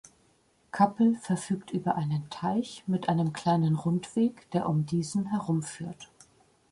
Cappel verfügt über einen Teich mit einem kleinen Rundweg, der um diesen herumführt.